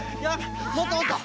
もっともっと！